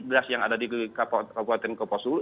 das yang ada di kepulauan kopo suluh